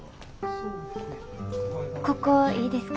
ここいいですか？